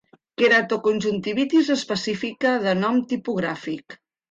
Queratoconjuntivitis específica de nom tipogràfic.